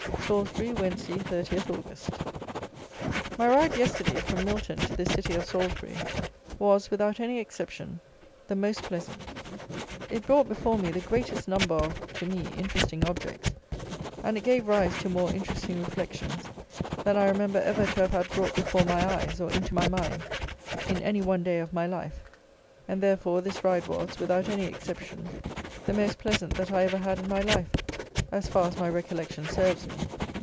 Salisbury, Wednesday, 30th August. My ride yesterday, from Milton to this city of Salisbury, was, without any exception, the most pleasant; it brought before me the greatest number of, to me, interesting objects, and it gave rise to more interesting reflections, than I remember ever to have had brought before my eyes, or into my mind, in any one day of my life; and therefore, this ride was, without any exception, the most pleasant that I ever had in my life, as far as my recollection serves me.